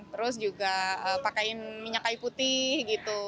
terus juga pakein minyak kai putih gitu